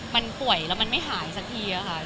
มันป่วยแล้วไม่หายสักที